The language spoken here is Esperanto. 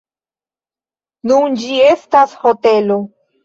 Nun ĝi estas hotelo.